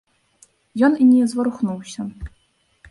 Ён і не зварухнуўся.